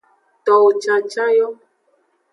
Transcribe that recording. Towo cancan yo.